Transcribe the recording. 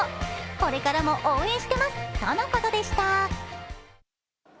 これからも応援してますとのことでした。